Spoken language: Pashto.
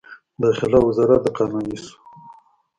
داخله وزارت د قانوني شو.